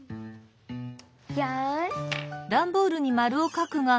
よし。